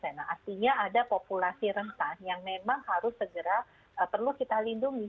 nah artinya ada populasi rentan yang memang harus segera perlu kita lindungi